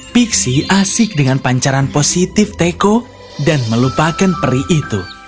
pixi asik dengan pancaran positif teko dan melupakan peri itu